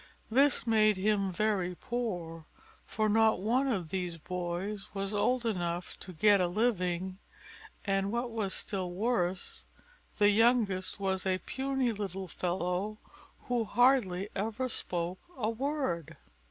This made him very poor, for not one of these boys was old enough to get a living, and what was still worse, the youngest was a puny little fellow who hardly ever spoke a word.